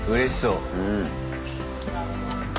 うん。